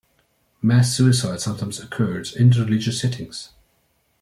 Mass suicide sometimes occurs in religious settings.